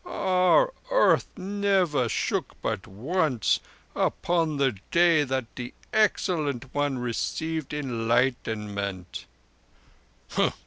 "Our earth never shook but once—upon the day that the Excellent One received Enlightenment."